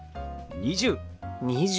「２０」。